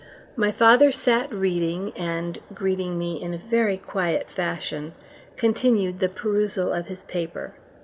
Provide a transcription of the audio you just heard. My father sat reading, and, greeting me in a very quiet fashion, continued the perusal of his paper.